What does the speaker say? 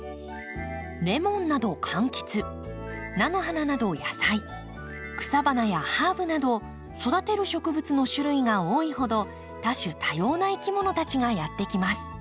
レモンなど柑橘菜の花など野菜草花やハーブなど育てる植物の種類が多いほど多種多様ないきものたちがやって来ます。